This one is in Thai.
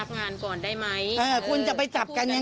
เราขอให้ตำรวจขึ้นตำรวจก็ไม่ขึ้น